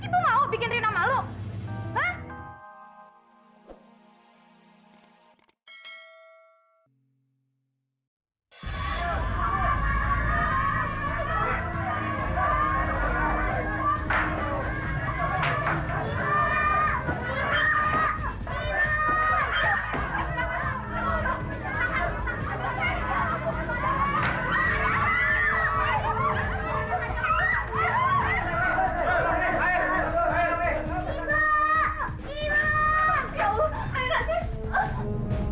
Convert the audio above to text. ibu mau bikin rina malu